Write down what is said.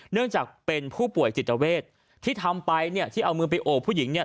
เนื่องจากเป็นผู้ป่วยจิตเวทที่ทำไปเนี่ยที่เอามือไปโอบผู้หญิงเนี่ย